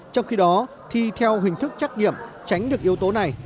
trong khi đó thi theo hình thức trắc nghiệm tránh được yếu tố này